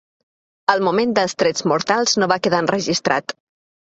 El moment dels trets mortals no va quedar enregistrat.